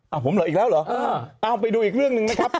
เอาผมเหรออีกแล้วเหรอเอาไปดูอีกเรื่องหนึ่งนะครับ